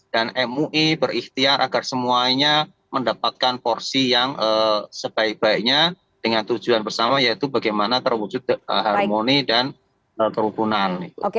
mui berikhtiar agar semuanya mendapatkan porsi yang sebaik baiknya dengan tujuan bersama yaitu bagaimana terwujud harmoni dan kerukunan